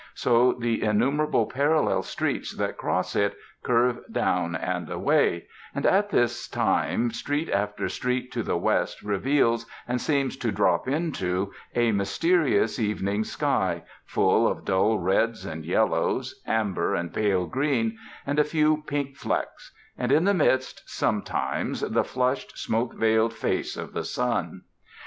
So the innumerable parallel streets that cross it curve down and away; and at this time street after street to the west reveals, and seems to drop into, a mysterious evening sky, full of dull reds and yellows, amber and pale green, and a few pink flecks, and in the midst, sometimes, the flushed, smoke veiled face of the sun.